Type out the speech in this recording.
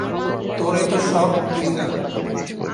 তোর এত শখ, তুই যা।